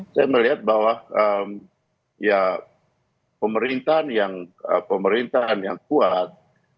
saya melihat bahwa ya pemerintahan yang kuat